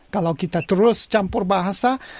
kalau kita terus campur bahasa